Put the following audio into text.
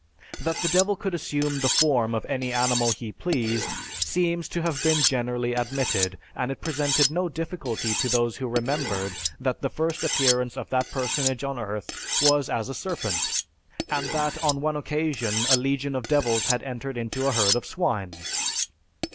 That the Devil could assume the form of any animal he pleased, seems to have been generally admitted, and it presented no difficulty to those who remembered that the first appearance of that personage on earth was as a serpent, and that on one occasion a legion of devils had entered into a herd of swine.